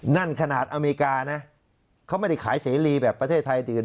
นั่นขนาดอเมริกานะเขาไม่ได้ขายเสรีแบบประเทศไทยอื่น